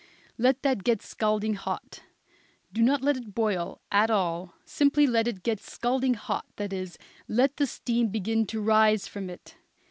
Let that get scalding hot; do not let it boil at all; simply let it get scalding hot that is, let the steam begin to rise from it.